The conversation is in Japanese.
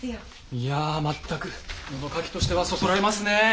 いや全く物書きとしてはそそられますね！